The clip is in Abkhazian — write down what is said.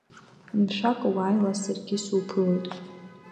Умшәакәа уааила, саргьы суԥылоит!